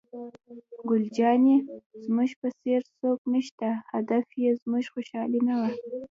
ګل جانې: زموږ په څېر څوک نشته، هدف یې زموږ خوشحالي نه وه.